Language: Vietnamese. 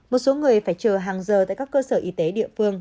một số người phải chờ hàng giờ tại các cơ sở y tế địa phương